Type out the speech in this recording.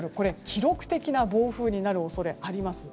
記録的な暴風になる恐れがあります。